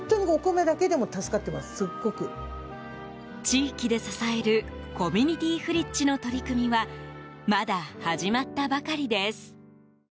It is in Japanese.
地域で支えるコミュニティフリッジの取り組みはまだ始まったばかりです。